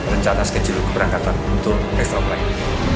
rencana schedule keberangkatan untuk ekstra flight